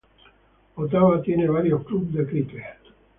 Ottawa tiene varios clubes de cricket.